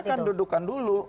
ya kita akan dudukan dulu